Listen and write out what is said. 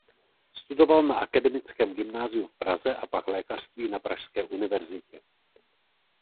Studoval na akademickém gymnáziu v Praze a pak lékařství na pražské univerzitě.